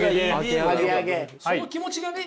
その気持ちがね